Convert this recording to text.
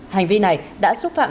hành vi này đã xúc phạm